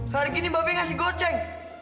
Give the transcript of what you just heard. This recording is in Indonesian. hari gini babe ngasih goceng